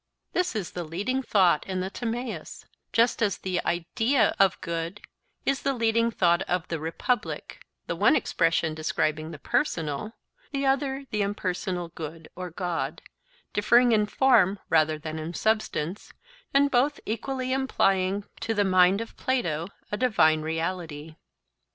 This is the leading thought in the Timaeus, just as the IDEA of Good is the leading thought of the Republic, the one expression describing the personal, the other the impersonal Good or God, differing in form rather than in substance, and both equally implying to the mind of Plato a divine reality.